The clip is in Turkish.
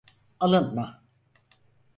Alınma.